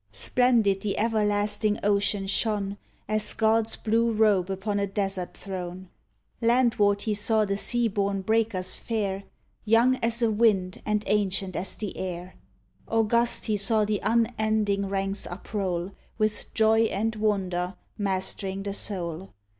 Splendid the everlasting ocean shone As God's blue robe upon a desert thrown; Landward he saw the sea born breakers fare, Young as a wind and ancient as the air; August he saw the unending ranks uproll, With joy and wonder mastering the soul.